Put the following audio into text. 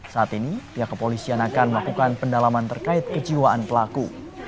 saat ini pihak kepolisian akan melakukan pendalaman terkait kejiwaan pelaku